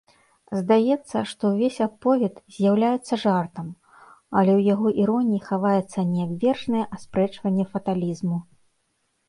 Здаецца, што ўвесь аповед з'яўляецца жартам, але ў яго іроніі хаваецца неабвержнае аспрэчванне фаталізму.